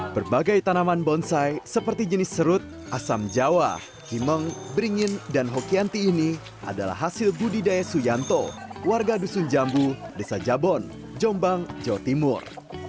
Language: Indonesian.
berbagai tanaman bonsai seperti jenis serut asam jawa kimeng beringin dan hokianti ini adalah hasil budidaya suyanto warga dusun jambu desa jabon jombang jawa timur